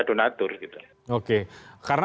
donatur gitu oke karena